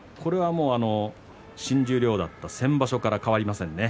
新十両だった先場所から変わりませんね。